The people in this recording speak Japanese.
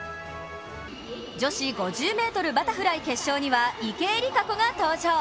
女子５０ｍバタフライ決勝には池江璃花子が登場。